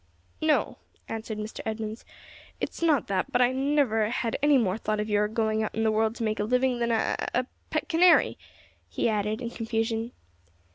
"No," answered Mr. Edmunds, "it's not that; but I never any more thought of your going out in the world to make a living than a a a pet canary," he added, in confusion.